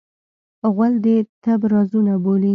غول د طب رازونه بولي.